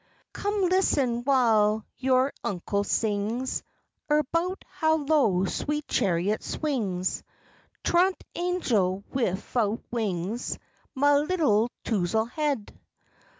P._) Cum, listen w'ile yore Unkel sings Erbout how low sweet chariot swings, Truint Angel, wifout wings, Mah 'ittle Touzle Head.